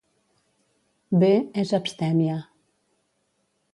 Bee és abstèmia.